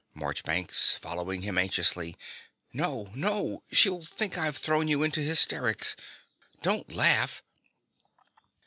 MARCHBANKS (following him anxiously). No, no: she'll think I've thrown you into hysterics. Don't laugh.